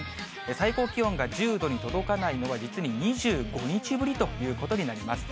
最高気温が１０度に届かないのは、実に２５日ぶりということになります。